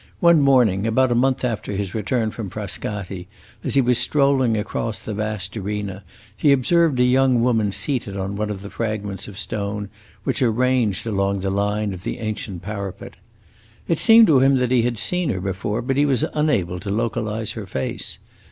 One morning, about a month after his return from Frascati, as he was strolling across the vast arena, he observed a young woman seated on one of the fragments of stone which are ranged along the line of the ancient parapet. It seemed to him that he had seen her before, but he was unable to localize her face.